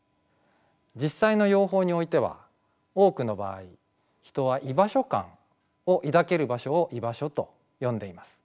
実際の用法においては多くの場合人は居場所感を抱ける場所を居場所と呼んでいます。